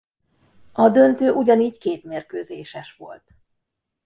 A döntő ugyanígy két mérkőzéses volt.